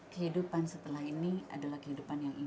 kehidupan setelah ini adalah kehidupan yang indah